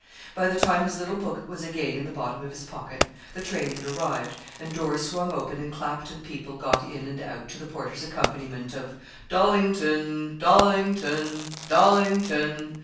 By the time his little book was again in the bottom of his pocket, the train had arrived, and doors swung open and clapt and people got in and out to the porter's accompaniment of 'Dollington Dollington Dollington!'